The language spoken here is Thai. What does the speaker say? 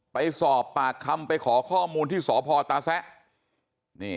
ไปสอบปากคำไปขอข้อมูลที่สพตาแซะ